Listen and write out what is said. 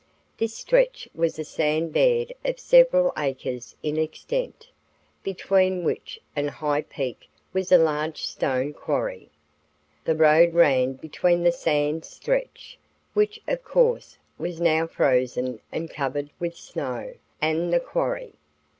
This stretch was a sand bed of several acres in extent, between which and High Peak was a large stone quarry. The road ran between the "sand stretch," which, of course, was now frozen and covered with snow, and the quarry.